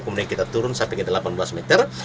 kemudian kita turun sampai ke delapan belas meter